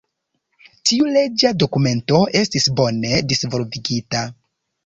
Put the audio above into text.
Tiu leĝa dokumento estis bone disvolvigita.